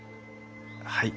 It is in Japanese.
はい。